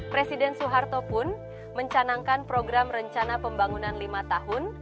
presiden soeharto pun mencanangkan program rencana pembangunan lima tahun